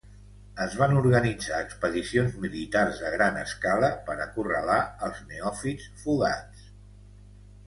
Es van organitzar expedicions militars a gran escala per acorralar els neòfits fugats.